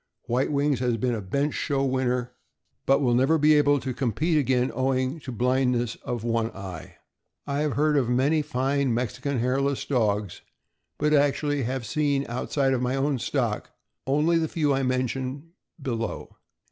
White Wings has been a bench show winner, but will never be able to compete again, owing to blindness of one eye. I have heard of many fine Mexican Hairless Dogs, but have actually seen, outside of my own stock, only the few I mention below.